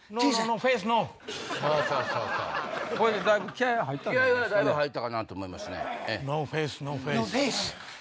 気合はだいぶ入ったかなと思いますね。